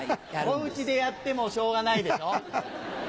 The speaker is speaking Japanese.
お家でやってもしょうがないでしょ。